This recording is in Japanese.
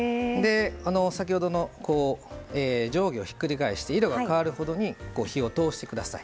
先ほどの上下をひっくり返して色が変わるほどに火を通してください。